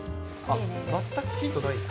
全くヒントないんですか？